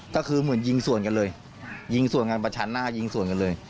ก็คือเหมือนยิงสวนกันเลยยิงสวนกันประชันหน้ายิงสวนกันเลย